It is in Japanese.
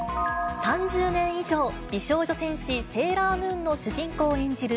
３０年以上、美少女戦士セーラームーンの主人公を演じる